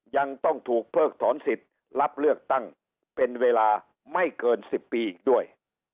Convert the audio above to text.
ยังต้องถูกเพิกถอนสิทธิ์รับเลือกตั้งเป็นเวลาไม่เกิน๑๐ปีอีกด้วย